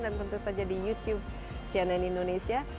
dan tentu saja di youtube cnn indonesia